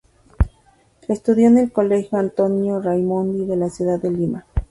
Estudió en el Colegio Antonio Raimondi de la ciudad de Lima.